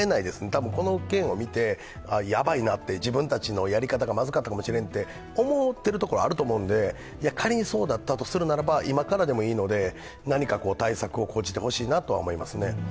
多分、この件を見て、あ、やばいなと自分たちのやり方がまずかったかもしれんと思っているところはあると思うので、仮にそうだったとするならば今からでもいいので何か対策を講じてほしいなと思いますね。